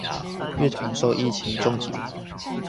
樂園受疫情重擊